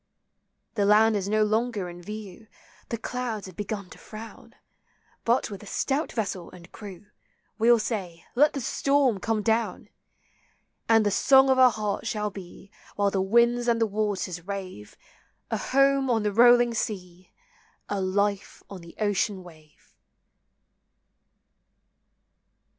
The land is no longer in view, The clouds have begun to frown ; But with a stout vessel and crew, We '11 say, Let the storm come down! And the song of our hearts shall be, While the winds and the waters rave, A home on the rolling sea ! A life on the ocean wave